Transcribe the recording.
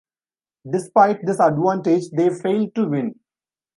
Despite this advantage, they failed to win.